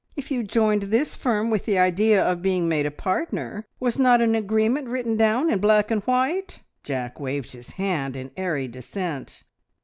If you joined this firm with the idea of being made a partner, was not an agreement written down in black and white?" Jack waved his hand in airy dissent.